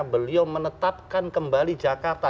beliau menetapkan kembali jakarta